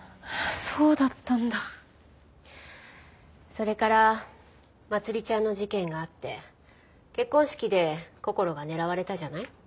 それからまつりちゃんの事件があって結婚式でこころが狙われたじゃない？